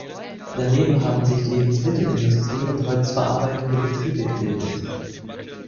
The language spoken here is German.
Daneben haben sich Lebensmittelindustrie und holzverarbeitende Betriebe gebildet.